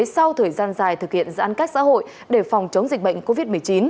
sau thời gian dài thực hiện giãn cách xã hội để phòng chống dịch bệnh covid một mươi chín